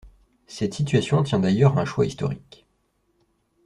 Cette situation tient d'ailleurs à un choix historique.